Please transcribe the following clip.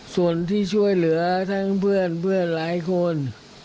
ส่วนที่ช่วยเหลือทั้งเพื่อนหลายคน